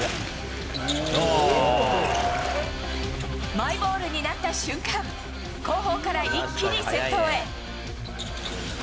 マイボールになった瞬間後方から一気に先頭へ。